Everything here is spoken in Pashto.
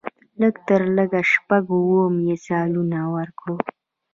لږ تر لږه شپږ اووه مثالونه ورکړو.